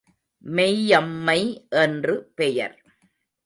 மெய்யம்மை என்று பெயர்.